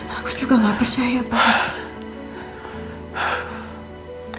aku juga gak percaya pak